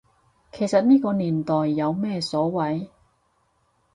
其實呢個年代有咩所謂